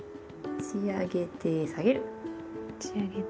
持ち上げて下げる。